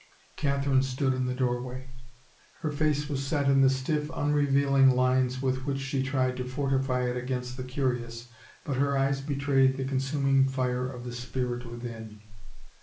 Catherine stood in the doorway. Her face was set in the stiff, unrevealing lines with which 256 HAPPIEST OF WOMEN she tried to fortify it against the curious, but her eyes betrayed the consuming fire of the spirit within.